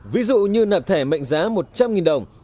ví dụ như nạp thẻ mệnh giá một trăm linh đồng